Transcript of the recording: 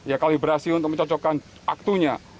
ya kalibrasi untuk mencocokkan waktunya